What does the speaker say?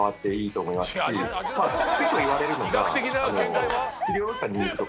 結構言われるのが。